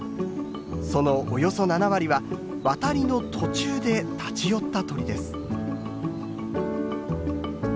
そのおよそ７割は渡りの途中で立ち寄った鳥です。